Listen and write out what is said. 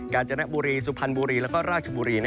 การจนบุรีสุพรรณบุรีแล้วก็ราชบุรี